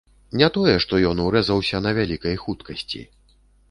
Не тое што ён урэзаўся на вялікай хуткасці.